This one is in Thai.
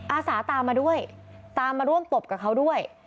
อาสาตามมาด้วยตามมาร่วมตบกับเขาด้วย